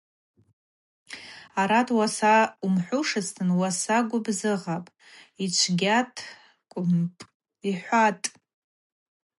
Арат уасапӏ – уымхӏвушызтын – уаса гвыбзыгъапӏ, йчвгьаткъвымпӏ, – йхӏватӏ.